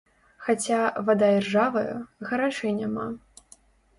Хаця, вада іржавая, гарачай няма.